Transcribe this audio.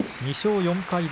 ２勝４敗